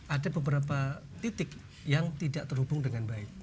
ada beberapa titik yang tidak terhubung dengan baik